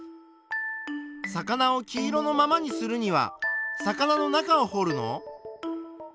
魚を黄色のままにするには魚の中をほるの？